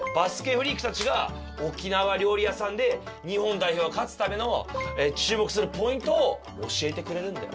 フリークたちが沖縄料理屋さんで日本代表が勝つための注目するポイントを教えてくれるんだよ。